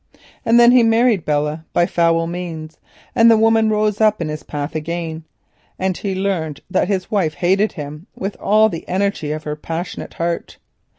And then he married Belle by foul means, and the woman rose up in his path again, and he learnt that his wife hated him with all the energy of her passionate heart.